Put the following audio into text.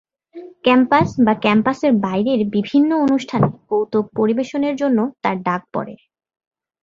Campus বা ক্যাম্পাসের বাইরের বিভিন্ন অনুষ্ঠানে কৌতুক পরিবেশনের জন্য তাঁর ডাক পড়ে।